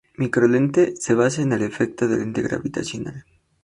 Microlente se basa en el efecto de lente gravitacional.